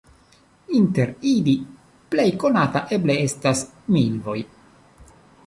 Inter ili plej konata eble estas milvoj.